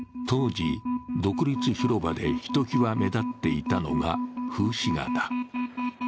当時、独立広場でひときわ目立っていたのが風刺画だ。